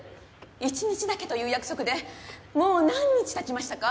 １日だけという約束でもう何日経ちましたか？